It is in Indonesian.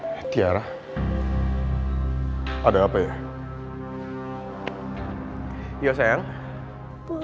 apa bener aku udah ngambil keputusan yang salah